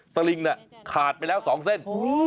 สลิงขาดไปแล้ว๒เส้น